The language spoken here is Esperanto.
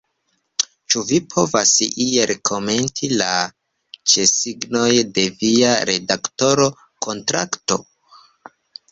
Ĉu vi povas iel komenti la ĉesigon de via redaktora kontrakto?